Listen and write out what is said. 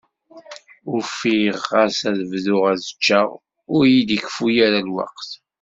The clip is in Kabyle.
Ufiɣ ɣas ad bɣuɣ ad ččeɣ, ur yi-d-ikeffu ara lweqt.